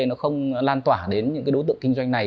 nó không lan tỏa đến những đối tượng kinh doanh này